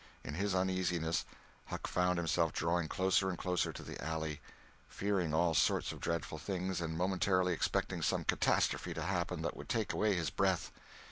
In his uneasiness Huck found himself drawing closer and closer to the alley; fearing all sorts of dreadful things, and momentarily expecting some catastrophe to happen that would take away his breath.